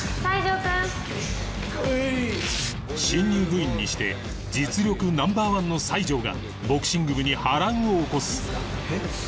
新入部員にして実力ナンバーワンの西条がボクシング部に波乱を起こすえっ？